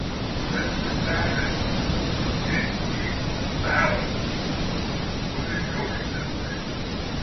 Mr. Bennet, in equal silence, was enjoying the scene.